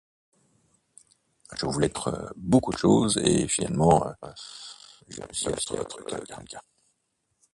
j'ai voulu beaucoup de choses et finalement